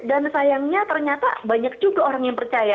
dan sayangnya ternyata banyak juga orang yang percaya